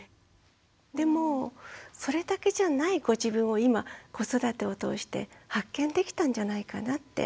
でもそれだけじゃないご自分を今子育てを通して発見できたんじゃないかなって。